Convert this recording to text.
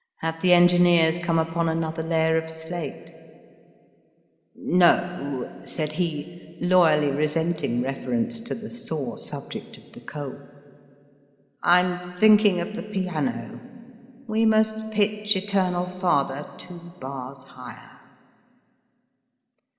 Have the engineers come upon another layer of slate ?" No," said he, loyally resenting reference to the sore subject of the coal ;I'm thinking of the piano. We must pitch * Eternal Father ' two bars higher."